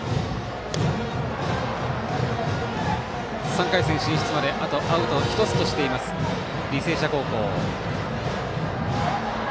３回戦進出まであとアウト１つとしている履正社高校。